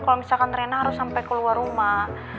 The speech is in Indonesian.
kalau misalkan trena harus sampai keluar rumah